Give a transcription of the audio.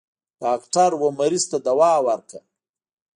ډاکټر و مريض ته دوا ورکړه.